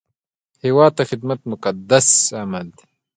هیواد ته خدمت مقدس عمل دی